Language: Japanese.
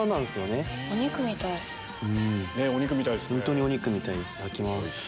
本当にお肉みたいです！